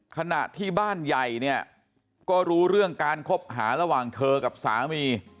ขณะที่บ้านใหญ่เนี่ยก็รู้เรื่องการคบหาระหว่างเธอกับสามี